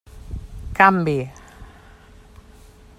Canvi.